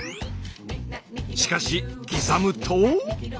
しかし刻むと。